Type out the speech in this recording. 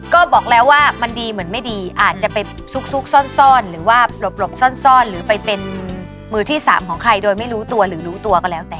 ก็บอกแล้วว่ามันดีเหมือนไม่ดีอาจจะไปซุกซ่อนหรือว่าหลบซ่อนหรือไปเป็นมือที่สามของใครโดยไม่รู้ตัวหรือรู้ตัวก็แล้วแต่